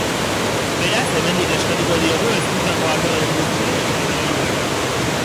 Beraz, hemendik eskatuko diegu hezkuntzako arduradun guztiei ordenagailu bana.